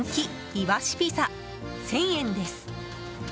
いわしピザ、１０００円です。